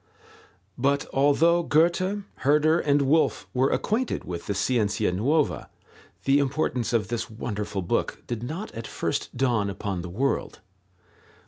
But although Goethe, Herder, and Wolf were acquainted with the Scienza nuova, the importance of this wonderful book did not at first dawn upon the world.